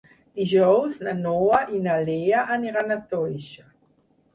Dijous na Noa i na Lea aniran a Toixa.